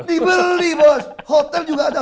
dibeli bos hotel juga ada